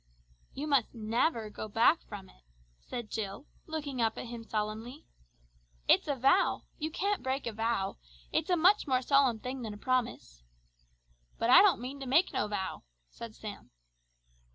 "You must never go back from it," said Jill looking up at him solemnly. "It's a vow! You can't break a vow, it's a much more solemn thing than a promise!" "But I don't mean to make no vow!" said Sam.